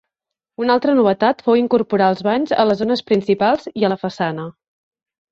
Una altra novetat fou incorporar els banys a les zones principals i a la façana.